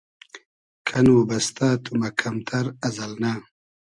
کئنو بئستۂ تو مئکئم تئر از النۂ